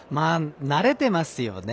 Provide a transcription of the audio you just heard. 慣れてますよね。